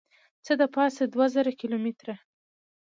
څه دپاسه دوه زره کیلو متره